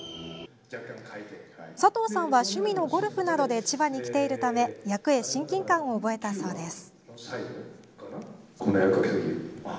佐藤さんは、趣味のゴルフなどで千葉に来ているため役へ親近感を覚えたそうです。